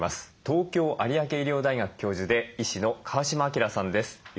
東京有明医療大学教授で医師の川嶋朗さんです。